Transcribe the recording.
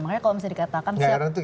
makanya kalau misalnya dikatakan